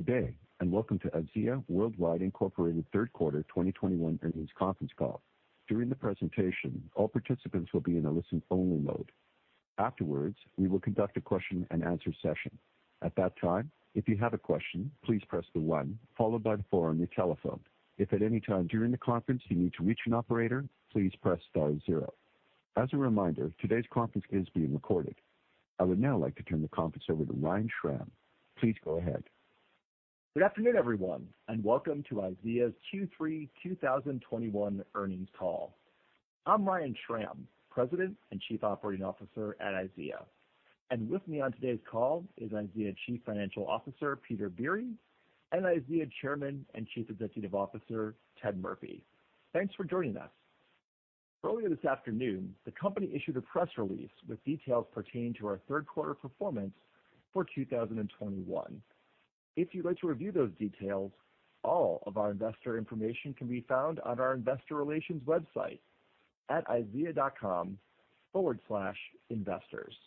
Good day, and welcome to IZEA Worldwide Incorporated third quarter 2021 earnings conference call. During the presentation, all participants will be in a listen-only mode. Afterwards, we will conduct a Q&A session. At that time, if you have a question, please press the one followed by four on your telephone. If at any time during the conference you need to reach an operator, please press star zero. As a reminder, today's conference is being recorded. I would now like to turn the conference over to Ryan Schram. Please go ahead. Good afternoon, everyone, and welcome to IZEA's Q3 2021 earnings call. I'm Ryan Schram, President and Chief Operating Officer at IZEA. With me on today's call is IZEA Chief Financial Officer, Peter Biere, and IZEA Chairman and Chief Executive Officer, Ted Murphy. Thanks for joining us. Earlier this afternoon, the company issued a press release with details pertaining to our third quarter performance for 2021. If you'd like to review those details, all of our investor information can be found on our investor relations website at izea.com/investors.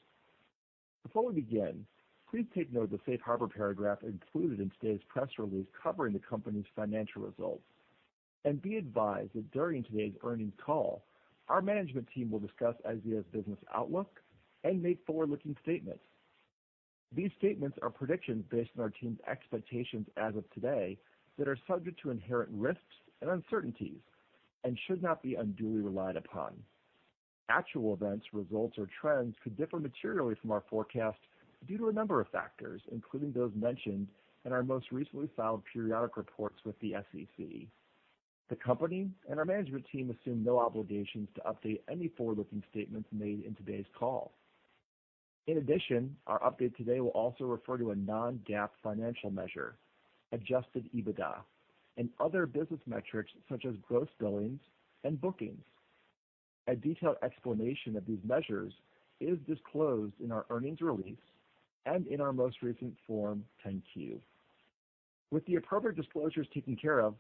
Before we begin, please take note the safe harbor paragraph included in today's press release covering the company's financial results, and be advised that during today's earnings call, our management team will discuss IZEA's business outlook and make forward-looking statements. These statements are predictions based on our team's expectations as of today that are subject to inherent risks and uncertainties, and should not be unduly relied upon. Actual events, results, or trends could differ materially from our forecast due to a number of factors, including those mentioned in our most recently filed periodic reports with the SEC. The company and our management team assume no obligations to update any forward-looking statements made in today's call. In addition, our update today will also refer to a non-GAAP financial measure, adjusted EBITDA, and other business metrics such as gross billings and bookings. A detailed explanation of these measures is disclosed in our earnings release and in our most recent Form 10-Q. With the appropriate disclosures taken care of,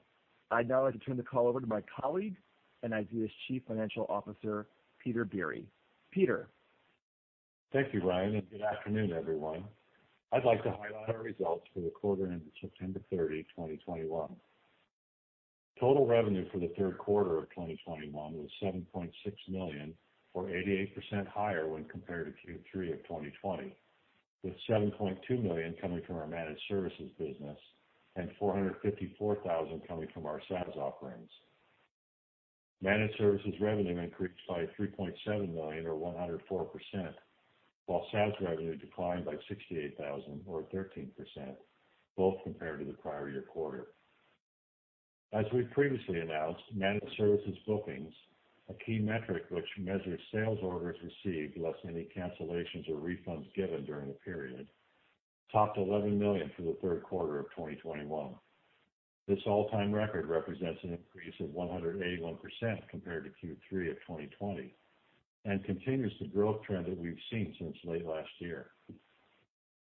I'd now like to turn the call over to my colleague and IZEA's Chief Financial Officer, Peter Biere. Peter. Thank you, Ryan, and good afternoon, everyone. I'd like to highlight our results for the quarter ending September 30, 2021. Total revenue for the third quarter of 2021 was $7.6 million, or 88% higher when compared to Q3 of 2020, with $7.2 million coming from our Managed Services business and $454,000 coming from our SaaS offerings. Managed Services revenue increased by $3.7 million or 104%, while SaaS revenue declined by $68,000 or 13%, both compared to the prior year quarter. As we previously announced, Managed Services bookings, a key metric which measures sales orders received less any cancellations or refunds given during the period, topped $11 million for the third quarter of 2021. This all-time record represents an increase of 181% compared to Q3 of 2020, and continues the growth trend that we've seen since late last year.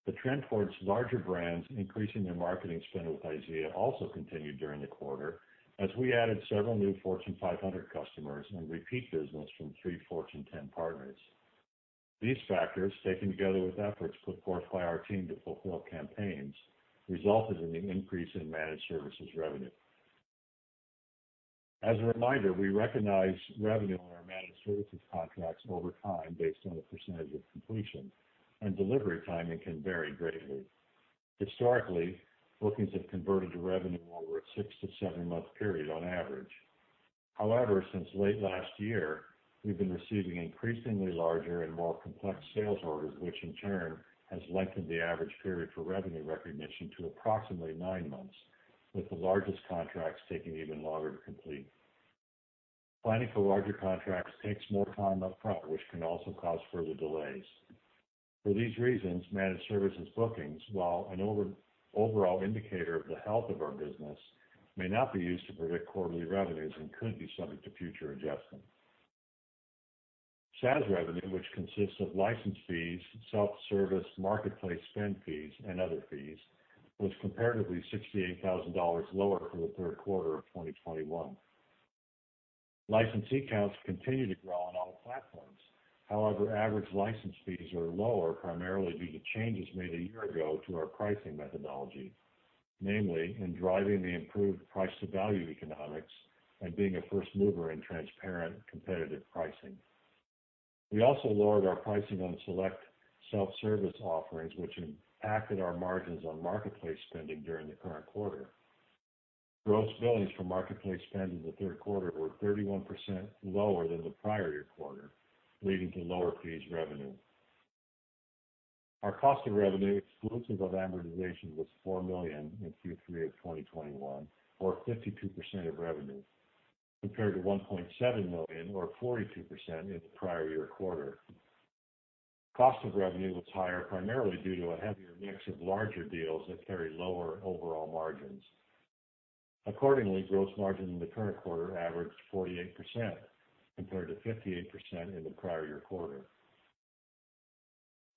The trend towards larger brands increasing their marketing spend with IZEA also continued during the quarter as we added several new Fortune 500 customers and repeat business from three Fortune 10 partners. These factors, taken together with efforts put forth by our team to fulfill campaigns, resulted in the increase in Managed Services revenue. As a reminder, we recognize revenue on our Managed Services contracts over time based on the percentage of completion, and delivery timing can vary greatly. Historically, bookings have converted to revenue over a six-seven-month period on average. However, since late last year, we've been receiving increasingly larger and more complex sales orders, which in turn has lengthened the average period for revenue recognition to approximately nine months, with the largest contracts taking even longer to complete. Planning for larger contracts takes more time up front, which can also cause further delays. For these reasons, Managed Services bookings, while an overall indicator of the health of our business, may not be used to predict quarterly revenues and could be subject to future adjustments. SaaS revenue, which consists of license fees, self-service marketplace spend fees, and other fees, was comparatively $68,000 lower for the third quarter of 2021. License seat counts continue to grow on all platforms. However, average license fees are lower primarily due to changes made a year ago to our pricing methodology, namely in driving the improved price to value economics and being a first mover in transparent competitive pricing. We also lowered our pricing on select self-service offerings, which impacted our margins on marketplace spending during the current quarter. Gross billings for marketplace spend in the third quarter were 31% lower than the prior year quarter, leading to lower fees revenue. Our cost of revenue, exclusive of amortization, was $4 million in Q3 of 2021, or 52% of revenue, compared to $1.7 million or 42% in the prior year quarter. Cost of revenue was higher, primarily due to a heavier mix of larger deals that carry lower overall margins. Accordingly, gross margin in the current quarter averaged 48% compared to 58% in the prior year quarter.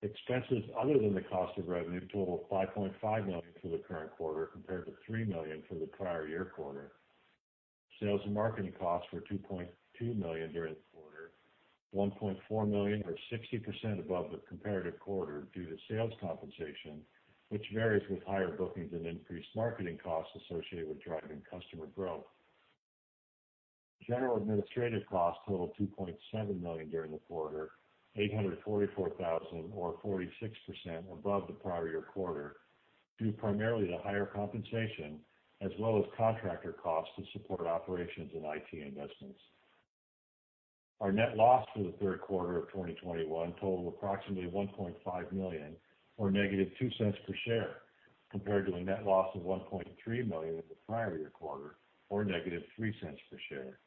Expenses other than the cost of revenue totaled $5.5 million for the current quarter compared to $3 million for the prior year quarter. Sales and marketing costs were $2.2 million during the quarter. $1.4 million or 60% above the comparative quarter due to sales compensation, which varies with higher bookings and increased marketing costs associated with driving customer growth. General administrative costs totaled $2.7 million during the quarter, $844,000 or 46% above the prior year quarter, due primarily to higher compensation as well as contractor costs to support operations and IT investments. Our net loss for the third quarter of 2021 totaled approximately $1.5 million or -$0.02 per share, compared to a net loss of $1.3 million in the prior year quarter or -$0.03 per share.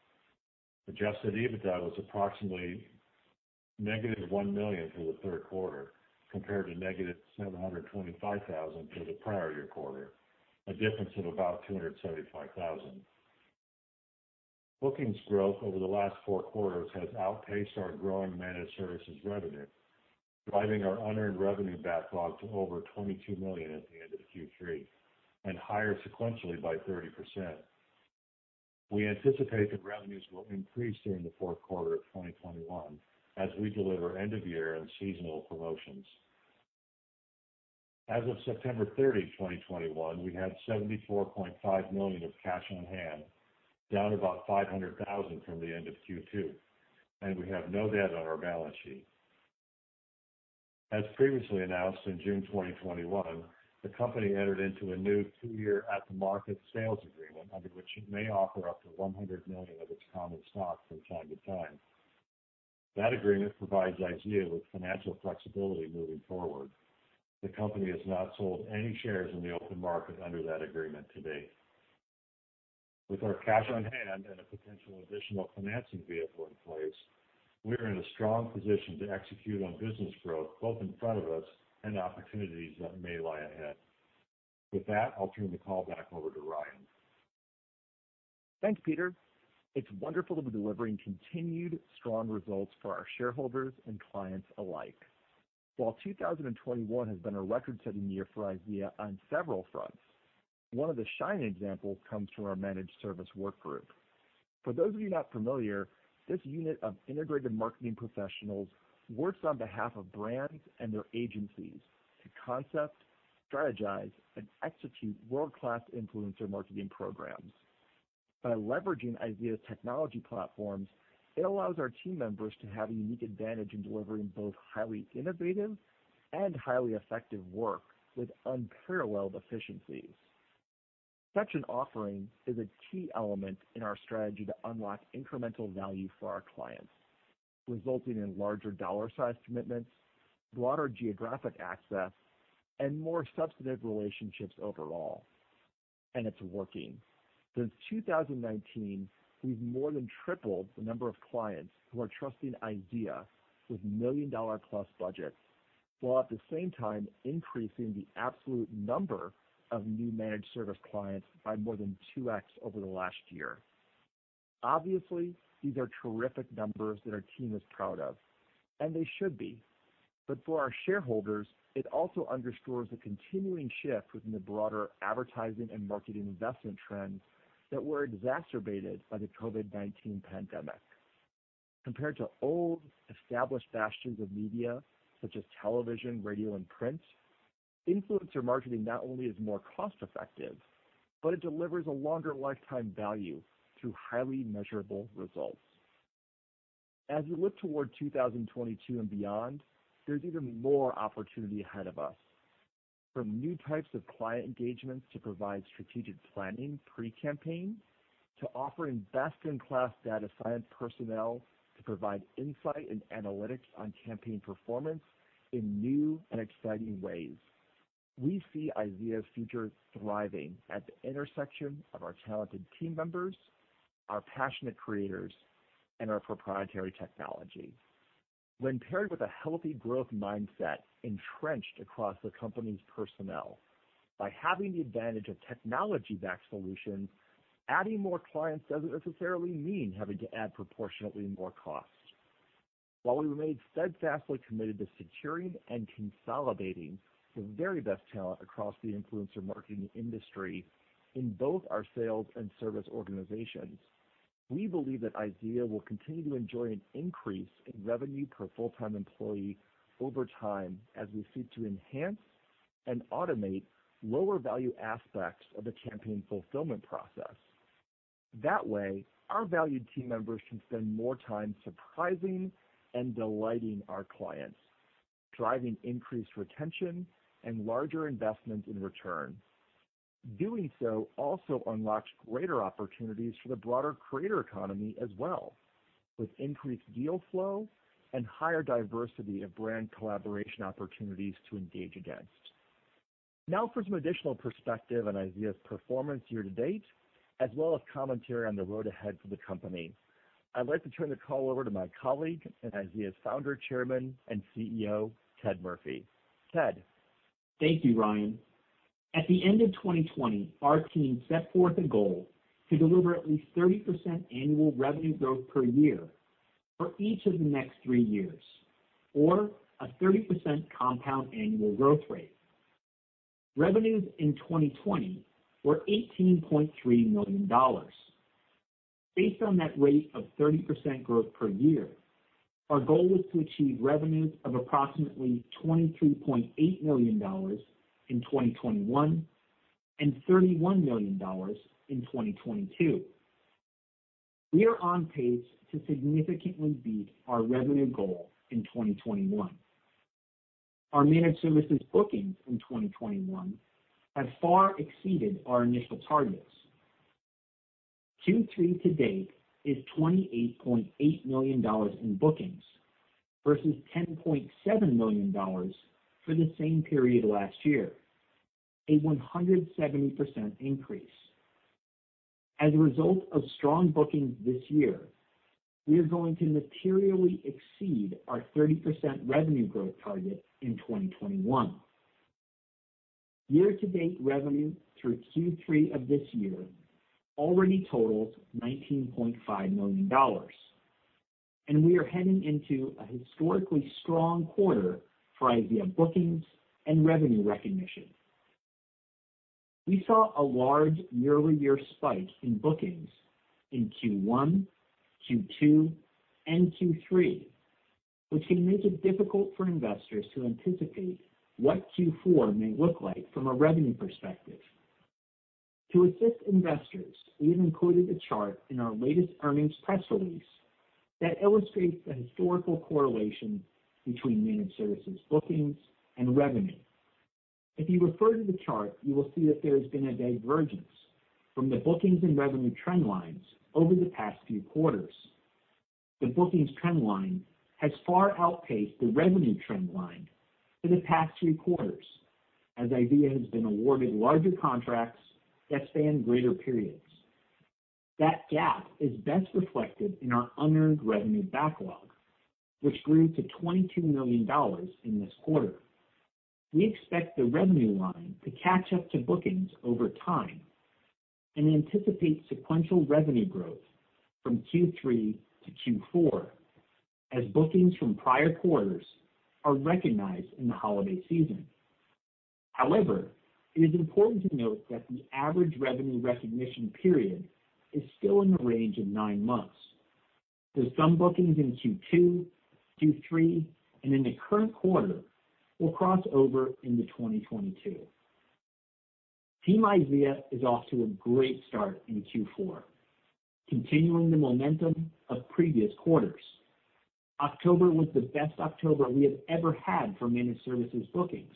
Adjusted EBITDA was approximately -$1 million for the third quarter compared to -$725,000 for the prior year quarter, a difference of about $275,000. Bookings growth over the last four quarters has outpaced our growing Managed Services revenue, driving our unearned revenue backlog to over $22 million at the end of Q3 and higher sequentially by 30%. We anticipate that revenues will increase during the fourth quarter of 2021 as we deliver end of year and seasonal promotions. As of September 30, 2021, we had $74.5 million of cash on hand, down about $500,000 from the end of Q2, and we have no debt on our balance sheet. As previously announced, in June 2021, the company entered into a new two-year at-the-market sales agreement under which it may offer up to $100 million of its common stock from time to time. That agreement provides IZEA with financial flexibility moving forward. The company has not sold any shares in the open market under that agreement to date. With our cash on hand and a potential additional financing vehicle in place, we are in a strong position to execute on business growth both in front of us and opportunities that may lie ahead. With that, I'll turn the call back over to Ryan. Thanks, Peter. It's wonderful to be delivering continued strong results for our shareholders and clients alike. While 2021 has been a record-setting year for IZEA on several fronts, one of the shining examples comes from our Managed Services work group. For those of you not familiar, this unit of integrated marketing professionals works on behalf of brands and their agencies to concept, strategize, and execute world-class influencer marketing programs. By leveraging IZEA's technology platforms, it allows our team members to have a unique advantage in delivering both highly innovative and highly effective work with unparalleled efficiencies. Such an offering is a key element in our strategy to unlock incremental value for our clients, resulting in larger dollar size commitments, broader geographic access, and more substantive relationships overall. It's working. Since 2019, we've more than tripled the number of clients who are trusting IZEA with million-dollar-plus budgets, while at the same time increasing the absolute number of new Managed Services clients by more than 2x over the last year. Obviously, these are terrific numbers that our team is proud of, and they should be. For our shareholders, it also underscores the continuing shift within the broader advertising and marketing investment trends that were exacerbated by the COVID-19 pandemic. Compared to old established forms of media such as television, radio, and print, influencer marketing not only is more cost-effective, but it delivers a longer lifetime value through highly measurable results. As we look toward 2022 and beyond, there's even more opportunity ahead of us. From new types of client engagements to provide strategic planning pre-campaign, to offering best in class data science personnel to provide insight and analytics on campaign performance in new and exciting ways. We see IZEA's future thriving at the intersection of our talented team members, our passionate creators, and our proprietary technology. When paired with a healthy growth mindset entrenched across the company's personnel by having the advantage of technology-backed solutions, adding more clients doesn't necessarily mean having to add proportionately more costs. While we remain steadfastly committed to securing and consolidating the very best talent across the influencer marketing industry in both our sales and service organizations, we believe that IZEA will continue to enjoy an increase in revenue per full-time employee over time as we seek to enhance and automate lower value aspects of the campaign fulfillment process. That way, our valued team members can spend more time surprising and delighting our clients, driving increased retention and larger investments in return. Doing so also unlocks greater opportunities for the broader creator economy as well, with increased deal flow and higher diversity of brand collaboration opportunities to engage against. Now for some additional perspective on IZEA's performance year to date, as well as commentary on the road ahead for the company, I'd like to turn the call over to my colleague and IZEA's founder, Chairman, and CEO, Ted Murphy. Ted? Thank you, Ryan. At the end of 2020, our team set forth a goal to deliver at least 30% annual revenue growth per year for each of the next three years, or a 30% compound annual growth rate. Revenues in 2020 were $18.3 million. Based on that rate of 30% growth per year, our goal was to achieve revenues of approximately $23.8 million in 2021 and $31 million in 2022. We are on pace to significantly beat our revenue goal in 2021. Our Managed Services bookings in 2021 have far exceeded our initial targets. Q3 to date is $28.8 million in bookings versus $10.7 million for the same period last year, a 170% increase. As a result of strong bookings this year, we are going to materially exceed our 30% revenue growth target in 2021. Year-to-date revenue through Q3 of this year already totals $19.5 million and we are heading into a historically strong quarter for IZEA bookings and revenue recognition. We saw a large year-over-year spike in bookings in Q1, Q2, and Q3, which can make it difficult for investors to anticipate what Q4 may look like from a revenue perspective. To assist investors, we have included a chart in our latest earnings press release that illustrates the historical correlation between Managed Services bookings and revenue. If you refer to the chart, you will see that there has been a divergence from the bookings and revenue trend lines over the past few quarters. The bookings trend line has far outpaced the revenue trend line for the past three quarters as IZEA has been awarded larger contracts that span greater periods. That gap is best reflected in our unearned revenue backlog, which grew to $22 million in this quarter. We expect the revenue line to catch up to bookings over time and anticipate sequential revenue growth from Q3 to Q4 as bookings from prior quarters are recognized in the holiday season. However, it is important to note that the average revenue recognition period is still in the range of nine months. Some bookings in Q2, Q3, and in the current quarter will cross over into 2022. Team IZEA is off to a great start in Q4, continuing the momentum of previous quarters. October was the best October we have ever had for Managed Services bookings,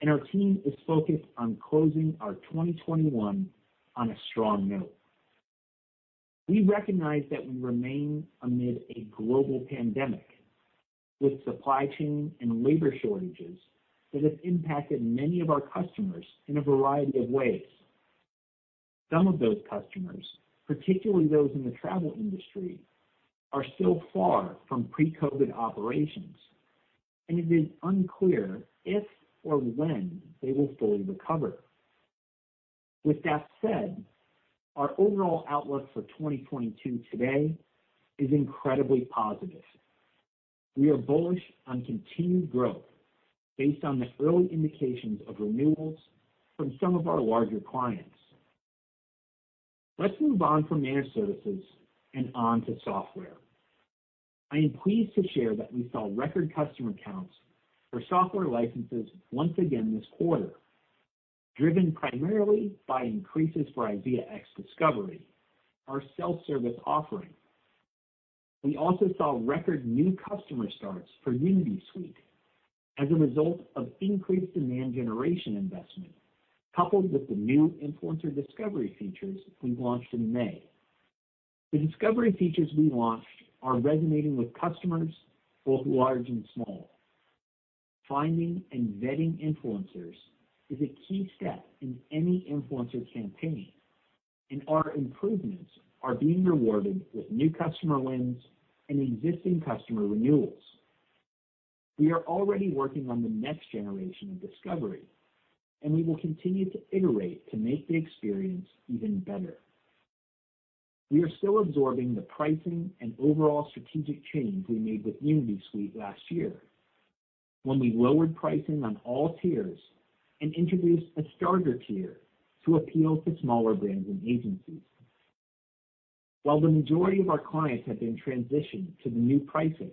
and our team is focused on closing our 2021 on a strong note. We recognize that we remain amid a global pandemic with supply chain and labor shortages that have impacted many of our customers in a variety of ways. Some of those customers, particularly those in the travel industry, are still far from pre-COVID operations, and it is unclear if or when they will fully recover. With that said, our overall outlook for 2022 today is incredibly positive. We are bullish on continued growth based on the early indications of renewals from some of our larger clients. Let's move on from Managed Services and on to software. I am pleased to share that we saw record customer counts for software licenses once again this quarter, driven primarily by increases for IZEAx Discovery, our self-service offering. We also saw record new customer starts for Unity Suite as a result of increased demand generation investment, coupled with the new influencer discovery features we launched in May. The discovery features we launched are resonating with customers both large and small. Finding and vetting influencers is a key step in any influencer campaign, and our improvements are being rewarded with new customer wins and existing customer renewals. We are already working on the next generation of discovery, and we will continue to iterate to make the experience even better. We are still absorbing the pricing and overall strategic change we made with Unity Suite last year when we lowered pricing on all tiers and introduced a starter tier to appeal to smaller brands and agencies. While the majority of our clients have been transitioned to the new pricing,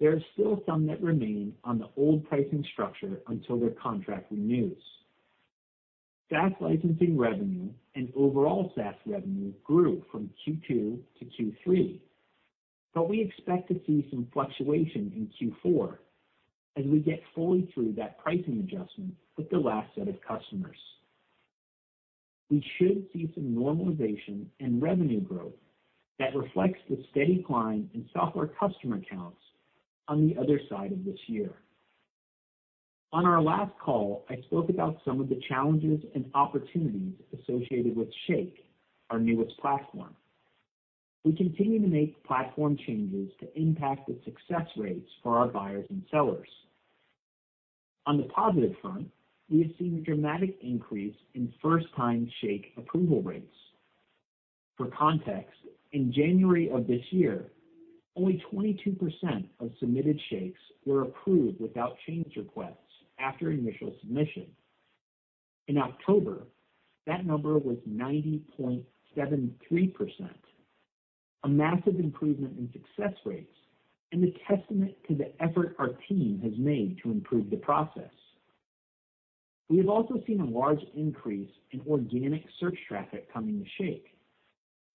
there are still some that remain on the old pricing structure until their contract renews. SaaS licensing revenue and overall SaaS revenue grew from Q2 to Q3, but we expect to see some fluctuation in Q4 as we get fully through that pricing adjustment with the last set of customers. We should see some normalization and revenue growth that reflects the steady climb in software customer counts on the other side of this year. On our last call, I spoke about some of the challenges and opportunities associated with Shake, our newest platform. We continue to make platform changes to impact the success rates for our buyers and sellers. On the positive front, we have seen a dramatic increase in first-time Shake approval rates. For context, in January of this year, only 22% of submitted shakes were approved without change requests after initial submission. In October, that number was 90.73%, a massive improvement in success rates and a testament to the effort our team has made to improve the process. We have also seen a large increase in organic search traffic coming to Shake,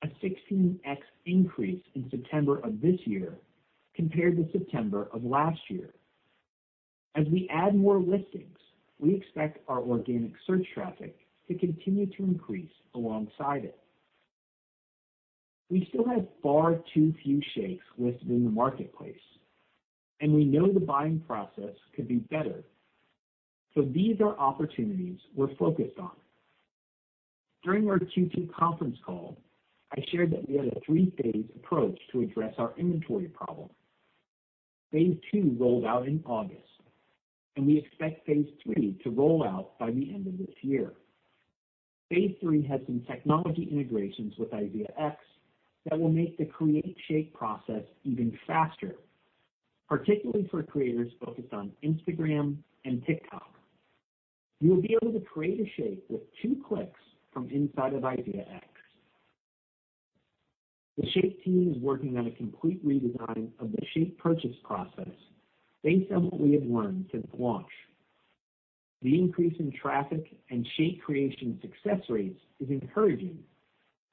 a 16x increase in September of this year compared to September of last year. As we add more listings, we expect our organic search traffic to continue to increase alongside it. We still have far too few shakes listed in the marketplace, and we know the buying process could be better. These are opportunities we're focused on. During our Q2 conference call, I shared that we had a three-phase approach to address our inventory problem. Phase two rolled out in August, and we expect phase three to roll out by the end of this year. Phase three has some technology integrations with IZEAx that will make the create Shake process even faster, particularly for creators focused on Instagram and TikTok. You will be able to create a Shake with two clicks from inside of IZEAx. The Shake team is working on a complete redesign of the Shake purchase process based on what we have learned since launch. The increase in traffic and Shake creation success rates is encouraging,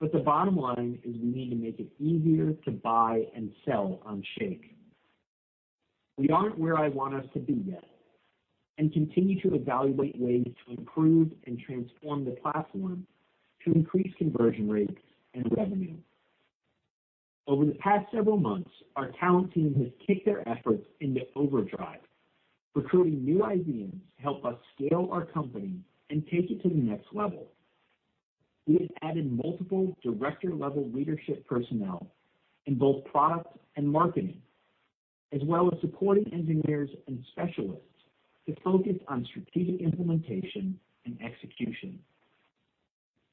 but the bottom line is we need to make it easier to buy and sell on Shake. We aren't where I want us to be yet and continue to evaluate ways to improve and transform the platform to increase conversion rates and revenue. Over the past several months, our talent team has kicked their efforts into overdrive, recruiting new IZEAns to help us scale our company and take it to the next level. We have added multiple director-level leadership personnel in both product and marketing, as well as supporting engineers and specialists to focus on strategic implementation and execution.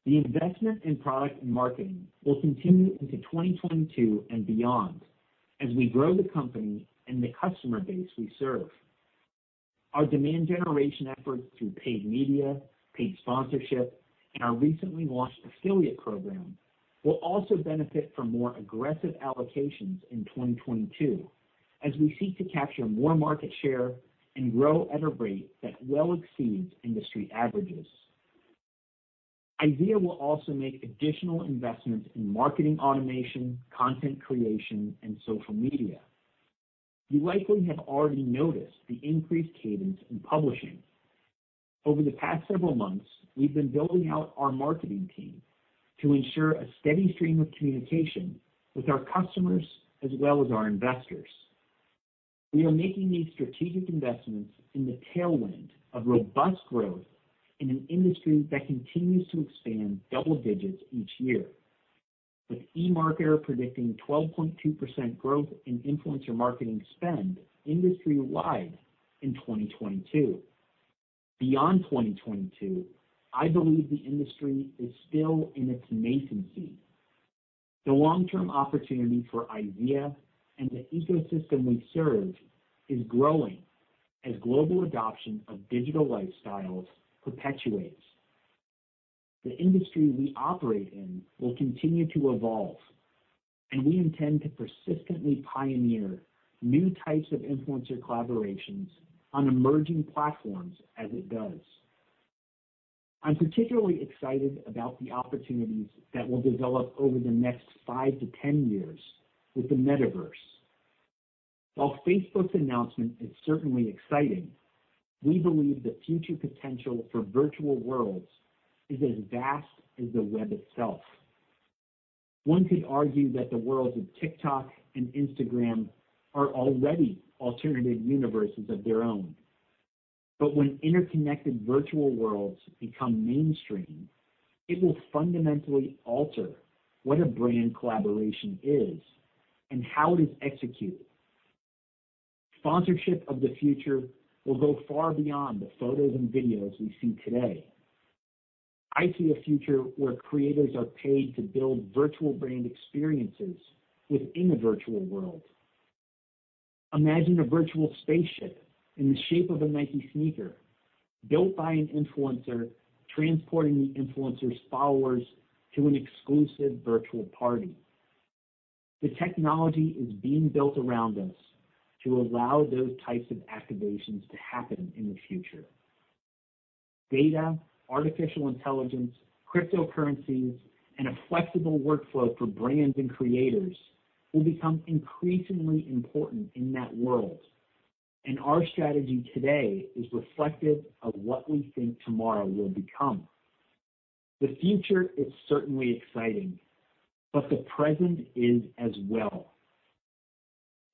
The investment in product and marketing will continue into 2022 and beyond as we grow the company and the customer base we serve. Our demand generation efforts through paid media, paid sponsorship, and our recently launched affiliate program will also benefit from more aggressive allocations in 2022 as we seek to capture more market share and grow at a rate that well exceeds industry averages. IZEA will also make additional investments in marketing automation, content creation, and social media. You likely have already noticed the increased cadence in publishing. Over the past several months, we've been building out our marketing team to ensure a steady stream of communication with our customers as well as our investors. We are making these strategic investments in the tailwind of robust growth in an industry that continues to expand double digits each year, with eMarketer predicting 12.2% growth in influencer marketing spend industry-wide in 2022. Beyond 2022, I believe the industry is still in its nascency. The long-term opportunity for IZEA and the ecosystem we serve is growing as global adoption of digital lifestyles perpetuates. The industry we operate in will continue to evolve, and we intend to persistently pioneer new types of influencer collaborations on emerging platforms as it does. I'm particularly excited about the opportunities that will develop over the next five-10 years with the Metaverse. While Facebook's announcement is certainly exciting, we believe the future potential for virtual worlds is as vast as the web itself. One could argue that the worlds of TikTok and Instagram are already alternative universes of their own. When interconnected virtual worlds become mainstream, it will fundamentally alter what a brand collaboration is and how it is executed. Sponsorship of the future will go far beyond the photos and videos we see today. I see a future where creators are paid to build virtual brand experiences within a virtual world. Imagine a virtual spaceship in the shape of a Nike sneaker built by an influencer transporting the influencer's followers to an exclusive virtual party. The technology is being built around us to allow those types of activations to happen in the future. Data, artificial intelligence, cryptocurrencies, and a flexible workflow for brands and creators will become increasingly important in that world, and our strategy today is reflective of what we think tomorrow will become. The future is certainly exciting, but the present is as well.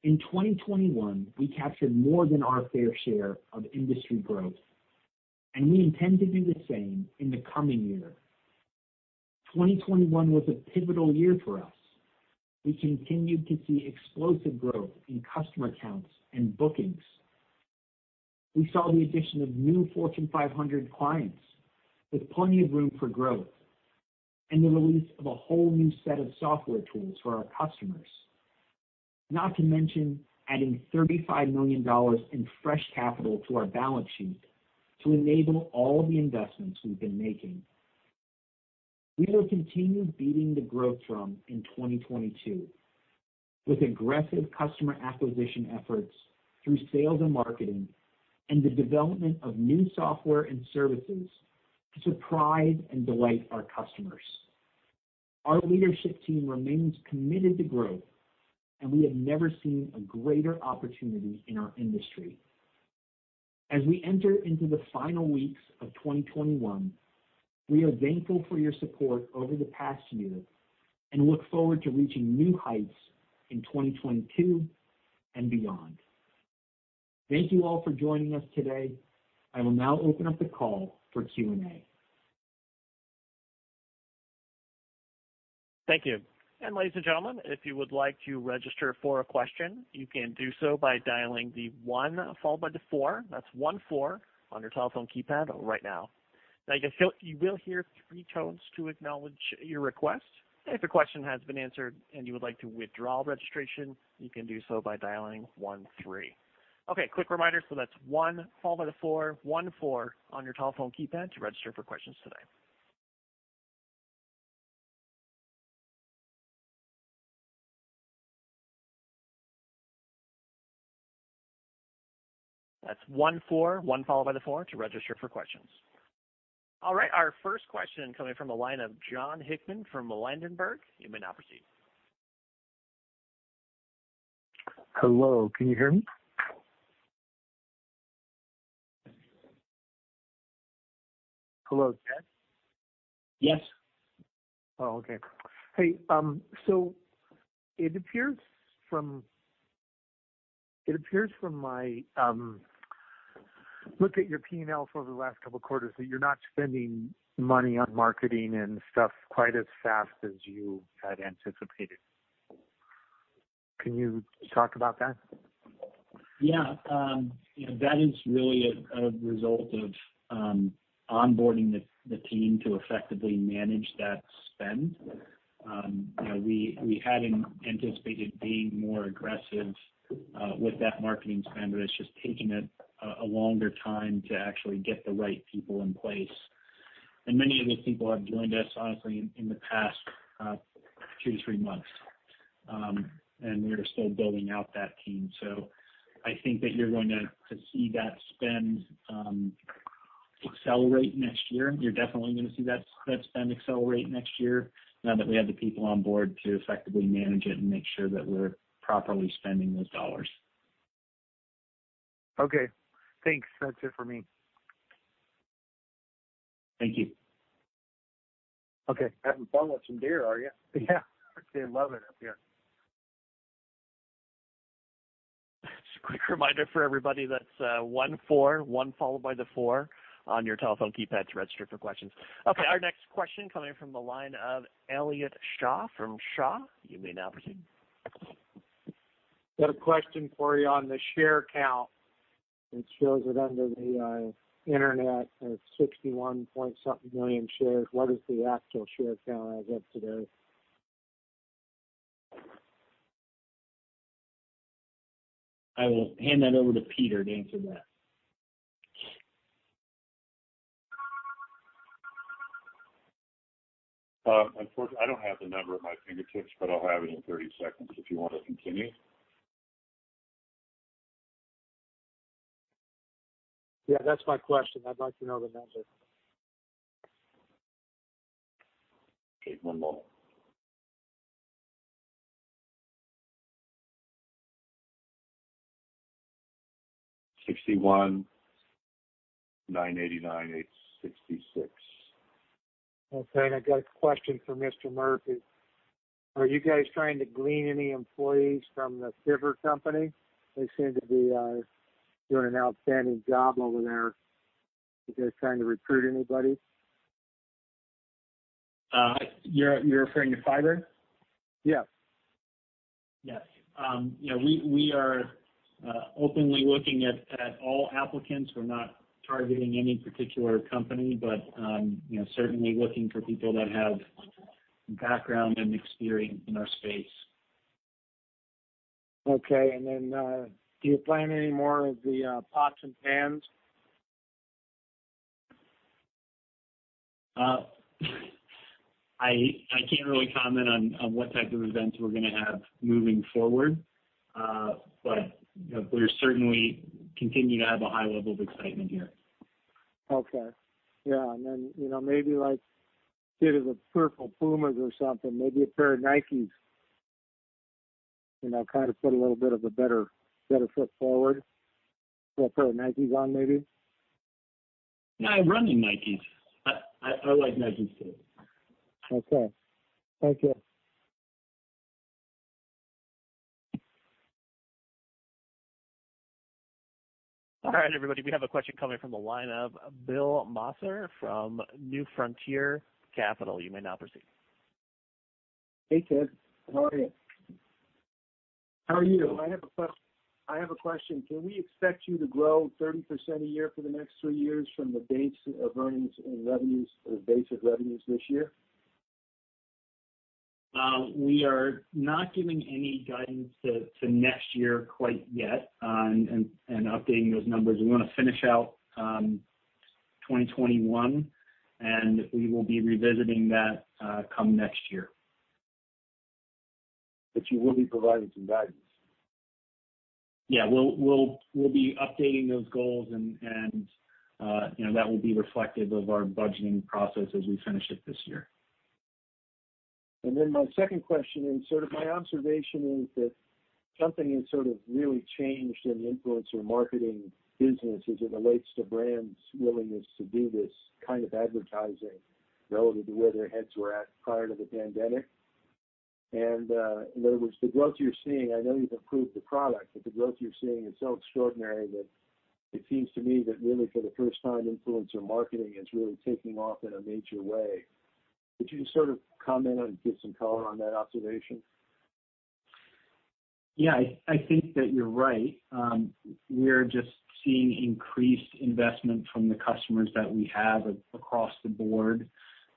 In 2021, we captured more than our fair share of industry growth, and we intend to do the same in the coming year. 2021 was a pivotal year for us. We continued to see explosive growth in customer accounts and bookings. We saw the addition of new Fortune 500 clients with plenty of room for growth and the release of a whole new set of software tools for our customers. Not to mention adding $35 million in fresh capital to our balance sheet to enable all the investments we've been making. We will continue beating the growth drum in 2022 with aggressive customer acquisition efforts through sales and marketing and the development of new software and services to surprise and delight our customers. Our leadership team remains committed to growth, and we have never seen a greater opportunity in our industry. As we enter into the final weeks of 2021, we are thankful for your support over the past year and look forward to reaching new heights in 2022 and beyond. Thank you all for joining us today. I will now open up the call for Q&A. Thank you. Ladies and gentlemen, if you would like to register for a question, you can do so by dialing the one followed by the four. That's one-four on your telephone keypad right now. Now, you will hear three tones to acknowledge your request. If your question has been answered and you would like to withdraw registration, you can do so by dialing one-three. Okay, quick reminder. That's one followed by the four, one-four on your telephone keypad to register for questions today. That's one-four, one followed by the one to register for questions. All right, our first question coming from the line of Jon Hickman from Ladenburg. You may now proceed. Hello. Can you hear me? Hello, Ted? Yes. Oh, okay. Hey, it appears from my look at your P&L for the last couple of quarters that you're not spending money on marketing and stuff quite as fast as you had anticipated. Can you talk about that? Yeah. That is really a result of onboarding the team to effectively manage that spend. You know, we had anticipated being more aggressive with that marketing spend, but it's just taking a longer time to actually get the right people in place. Many of these people have joined us, honestly, in the past two-three months. We are still building out that team. I think that you're going to see that spend accelerate next year. You're definitely gonna see that spend accelerate next year now that we have the people on board to effectively manage it and make sure that we're properly spending those dollars. Okay, thanks. That's it for me. Thank you. Okay. Having fun with some deer, are you? Yeah. They love it up here. Just a quick reminder for everybody. That's one-four, one followed by the four on your telephone keypad to register for questions. Okay, our next question coming from the line of Elliot Shaw from Shaw. You may now proceed. Got a question for you on the share count. It shows it under the interim as 61-point something million shares. What is the actual share count as of today? I will hand that over to Peter to answer that. Unfortunately, I don't have the number at my fingertips, but I'll have it in 30 seconds if you want to continue. Yeah, that's my question. I'd like to know the number. Okay, one moment. $61,989,866. Okay. I got a question for Mr. Murphy. Are you guys trying to glean any employees from the Fiverr company? They seem to be doing an outstanding job over there. Are you guys trying to recruit anybody? You're referring to Fiverr? Yes. Yes. You know, we are openly looking at all applicants. We're not targeting any particular company, but you know, certainly looking for people that have background and experience in our space. Okay. Do you plan any more of the pots and pans? I can't really comment on what type of events we're gonna have moving forward. You know, we're certainly continuing to have a high level of excitement here. Okay. Yeah. You know, maybe like get a pair of Purple Pumas or something, maybe a pair of Nikes. You know, kind of put a little bit of a better foot forward. Put a pair of Nikes on maybe. Yeah, running Nikes. I like Nikes, too. Okay. Thank you. All right, everybody, we have a question coming from the line of Bill Musser from New Frontier Capital. You may now proceed. Hey, Ted. How are you? How are you? I have a question. Can we expect you to grow 30% a year for the next two years from the base of earnings and revenues or base of revenues this year? We are not giving any guidance to next year quite yet, and updating those numbers. We wanna finish out 2021, and we will be revisiting that come next year. You will be providing some guidance. Yeah. We'll be updating those goals and you know, that will be reflective of our budgeting process as we finish it this year. Then my second question, and sort of my observation is that something has sort of really changed in the influencer marketing business as it relates to brands' willingness to do this kind of advertising relative to where their heads were at prior to the pandemic. In other words, the growth you're seeing, I know you've improved the product, but the growth you're seeing is so extraordinary that it seems to me that really for the first time, influencer marketing is really taking off in a major way. Could you sort of comment on and give some color on that observation? Yeah. I think that you're right. We're just seeing increased investment from the customers that we have across the board,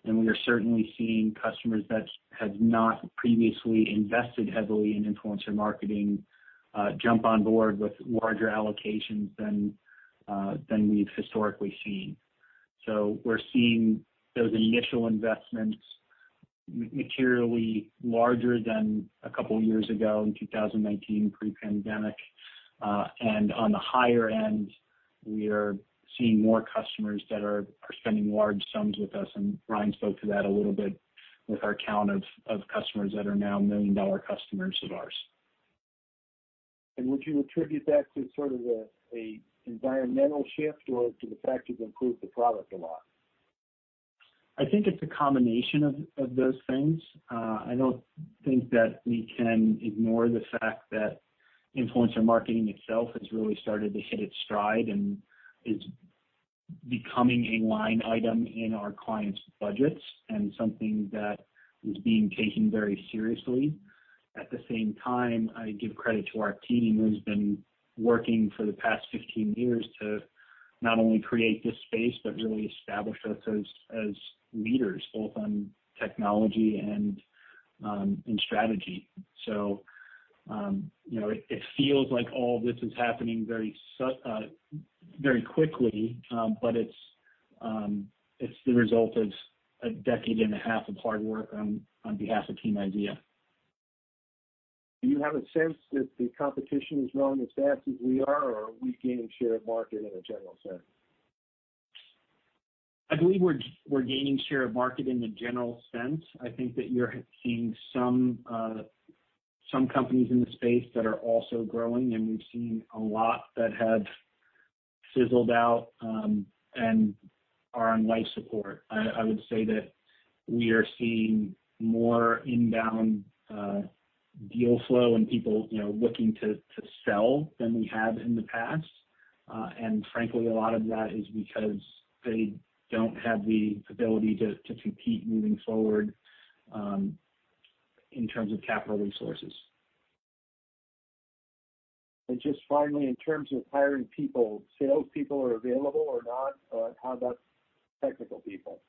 and we are certainly seeing customers that had not previously invested heavily in influencer marketing, jump on board with larger allocations than than we've historically seen. We're seeing those initial investments materially larger than a couple years ago in 2019 pre-pandemic. And on the higher end, we are seeing more customers that are spending large sums with us, and Ryan spoke to that a little bit with our count of customers that are now million-dollar customers of ours. Would you attribute that to sort of a environmental shift or to the fact you've improved the product a lot? I think it's a combination of those things. I don't think that we can ignore the fact that influencer marketing itself has really started to hit its stride and is becoming a line item in our clients' budgets and something that is being taken very seriously. At the same time, I give credit to our team who's been working for the past 15 years to not only create this space but really establish us as leaders both on technology and in strategy. You know, it feels like all this is happening very quickly, but it's the result of a decade and a half of hard work on behalf of Team IZEA. Do you have a sense that the competition is growing as fast as we are, or are we gaining share of market in a general sense? I believe we're gaining share of market in the general sense. I think that you're seeing some companies in the space that are also growing, and we've seen a lot that have fizzled out and are on life support. I would say that we are seeing more inbound deal flow and people, you know, looking to sell than we have in the past. Frankly, a lot of that is because they don't have the ability to compete moving forward in terms of capital resources. Just finally, in terms of hiring people, salespeople are available or not? Or how about technical people?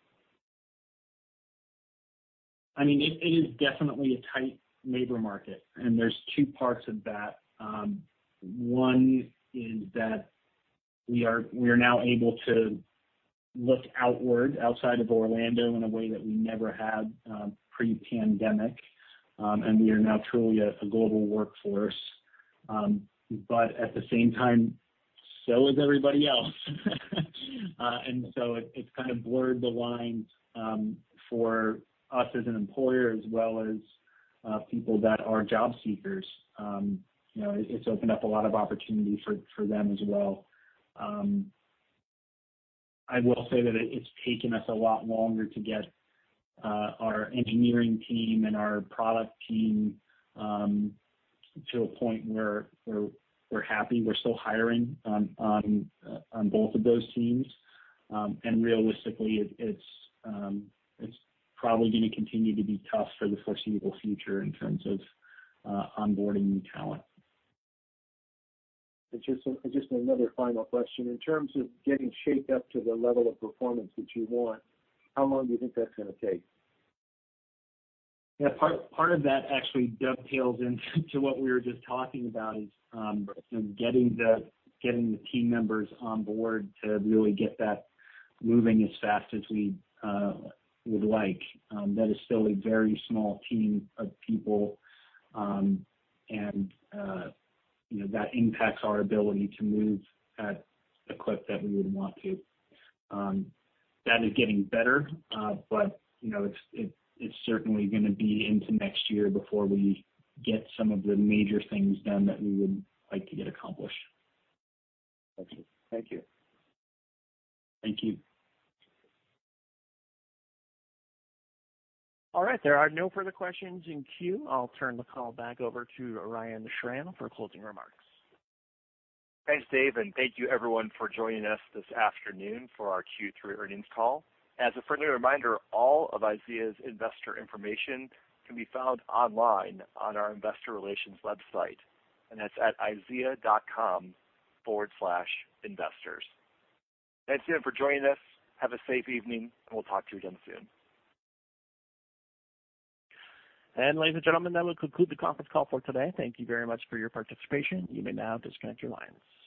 I mean, it is definitely a tight labor market, and there's two parts of that. One is that we are now able to look outward outside of Orlando in a way that we never had, pre-pandemic. We are now truly a global workforce. At the same time, so is everybody else. It's kind of blurred the lines for us as an employer as well as people that are job seekers. You know, it's opened up a lot of opportunity for them as well. I will say that it's taken us a lot longer to get our engineering team and our product team to a point where we're happy. We're still hiring on both of those teams. Realistically, it's probably gonna continue to be tough for the foreseeable future in terms of onboarding new talent. Just another final question. In terms of getting Shake up to the level of performance that you want, how long do you think that's gonna take? Yeah. Part of that actually dovetails into what we were just talking about is, you know, getting the team members on board to really get that moving as fast as we would like. That is still a very small team of people. You know, that impacts our ability to move at the clip that we would want to. That is getting better, but you know, it's certainly gonna be into next year before we get some of the major things done that we would like to get accomplished. Thank you. Thank you. Thank you. All right. There are no further questions in queue. I'll turn the call back over to Ryan Schram for closing remarks. Thanks, Dave, and thank you everyone for joining us this afternoon for our Q3 earnings call. As a friendly reminder, all of IZEA's investor information can be found online on our investor relations website, and that's at izea.com/investors. Thanks again for joining us. Have a safe evening, and we'll talk to you again soon. Ladies and gentlemen, that will conclude the conference call for today. Thank you very much for your participation. You may now disconnect your lines.